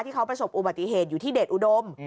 เขาประสบอุบัติเหตุอยู่ที่เดชอุดม